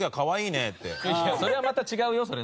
それはまた違う要素で。